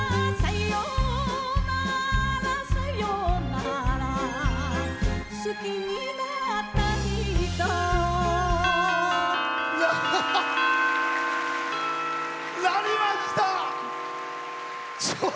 鳴りました！